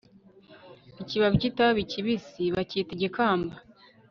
ikibabi cy'itabi kibisi bacyita igikamba